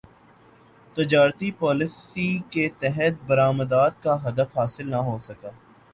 تجارتی پالیسی کے تحت برامدات کا ہدف حاصل نہ ہوسکا